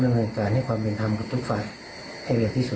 ทำการให้ความเป็นธรรมคนทุกฟัทที่เรียนที่สุด